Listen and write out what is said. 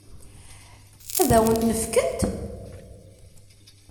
Ad wen-ten-fkent?